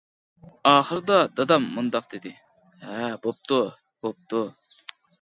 ئاخىرىدا دادام مۇنداق دېدى:-ھە بوپتۇ، بوپتۇ.